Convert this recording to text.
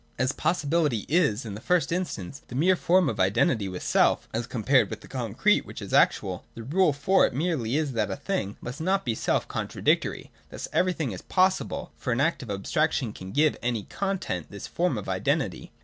As Possibility i.s, in the first instance, the mere form of identity with self (as compared with the concrete which is actual), the rule for it merely is that a thing must not be selfcontradictory. Thus everything is possible ; for an act of abstraction can give any content this form of identity.